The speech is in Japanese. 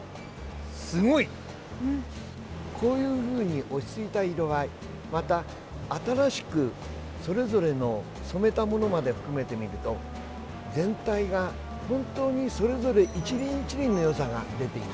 すごい！こういうふうに落ち着いた色合いまた新しく、それぞれの染めたものまで含めてみると全体が本当にそれぞれ一輪一輪のよさが出ています。